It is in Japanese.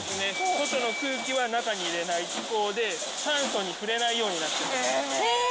外の空気は中に入れない気孔で、酸素に触れないようになっています。